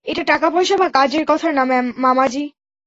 এটা টাকা-পয়সা বা কাজের কথা না, মামাজি।